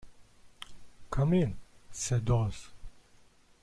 "Come in," said Oz.